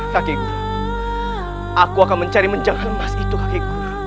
kakek guru aku akan mencari menjangan emas itu kakek guru